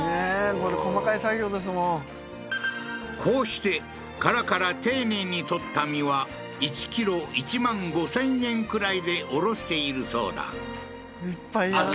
これ細かい作業ですもんこうして殻から丁寧に取った身は１ｋｇ１万５０００円くらいで卸しているそうだ